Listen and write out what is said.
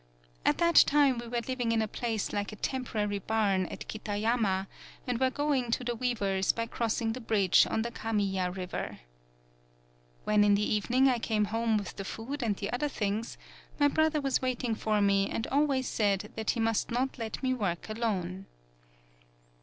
At that time we were living in a place like a temporary barn at Kitayama and were going to the weav er's by crossing the bridge on the Kam iya river. When, in the evening, I came home with the food and the other things, my brother was waiting for me and al ways said that he must not let me work alone.